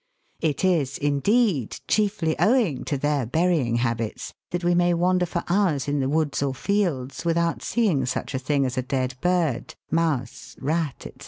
It is, indeed, chiefly owing to their burying habits that we may wander for hours in the woods or fields without seeing such a thing as a dead bird, mouse, rat, &c.